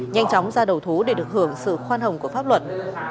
nhanh chóng ra đầu thú để được hưởng sự khoan hồng của pháp luật